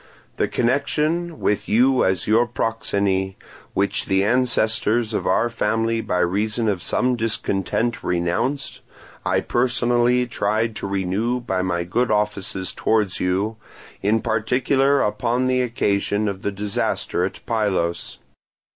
The connection, with you as your proxeni, which the ancestors of our family by reason of some discontent renounced, I personally tried to renew by my good offices towards you, in particular upon the occasion of the disaster at Pylos.